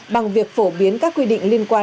bằng việc phổ biến các quy định